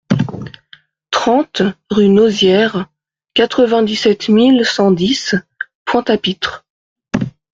trente rue Nozières, quatre-vingt-dix-sept mille cent dix Pointe-à-Pitre